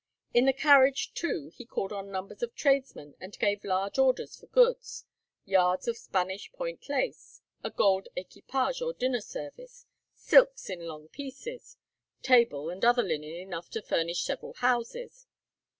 In the carriage too he called on numbers of tradesmen and gave large orders for goods: yards of Spanish point lace, a gold "equipage" or dinner service, silks in long pieces, table and other linen enough to furnish several houses.